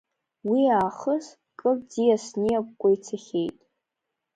Уи аахыс кыр ӡиас ниакәкәа ицахьеит.